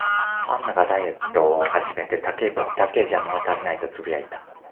パンダがダイエットを始めて、「竹だけじゃ物足りない」とつぶやいた